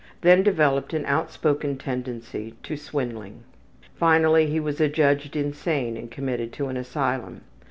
Then developed an outspoken tendency to swindling. Finally he was adjudged insane and committed to an asylum.